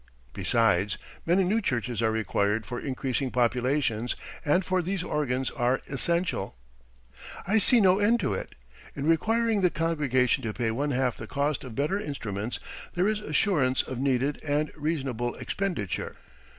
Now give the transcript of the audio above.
Besides, many new churches are required for increasing populations and for these organs are essential. I see no end to it. In requiring the congregation to pay one half the cost of better instruments, there is assurance of needed and reasonable expenditure.